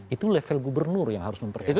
itu level gubernur yang harus mempertimbangkan